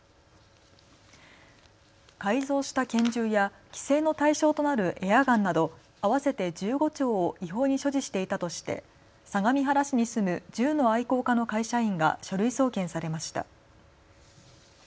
改造した拳銃や規制の対象となるエアガンなど合わせて１５丁を違法に所持していたとして相模原市に住む銃の愛好家の会社員が書類送検されました。